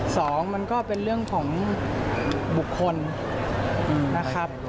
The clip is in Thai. สองมันก็เป็นเรื่องของบุคคลนะครับ